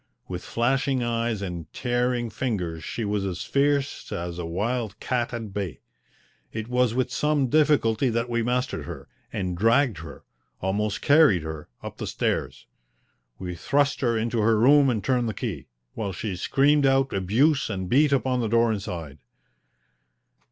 With flashing eyes and tearing fingers she was as fierce as a wild cat at bay. It was with some difficulty that we mastered her, and dragged her almost carried her up the stairs. We thrust her into her room and turned the key, while she screamed out abuse and beat upon the door inside.